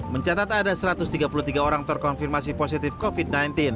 mencatat ada satu ratus tiga puluh tiga orang terkonfirmasi positif covid sembilan belas